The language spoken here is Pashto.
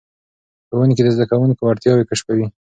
ښوونکي د زده کوونکو وړتیاوې کشفوي.